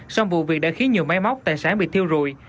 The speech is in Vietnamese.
xong vụ việc đã khiến nhiều máy móc tại sáng bị thiêu rùi